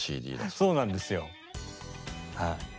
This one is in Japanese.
そうなんですよはい。